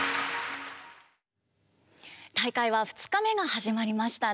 大会は２日目が始まりましたね。